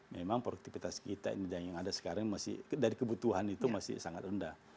memang produktivitas kita yang ada sekarang masih dari kebutuhan itu masih sangat rendah